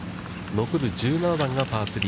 残る１７番がパー３。